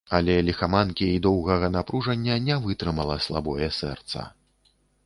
Але ліхаманкі і доўгага напружання не вытрымала слабое сэрца.